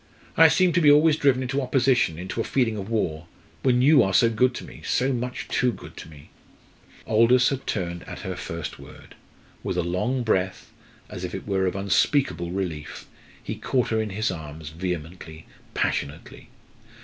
I seem to be always driven into opposition into a feeling of war when you are so good to me so much too good to me!" Aldous had turned at her first word. With a long breath, as it were of unspeakable relief, he caught her in his arms vehemently, passionately.